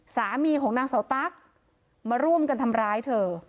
สามีของนางเสาตั๊กมาร่วมกันทำร้ายเธอ